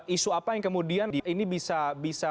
isu apa yang kemudian ini bisa